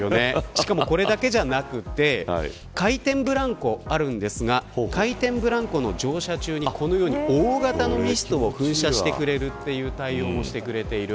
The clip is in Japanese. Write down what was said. しかもこれだけじゃなくて回転ブランコがあるんですが回転ブランコの乗車中にこのように大型のミストを噴射してくれるという対応もしてくれている。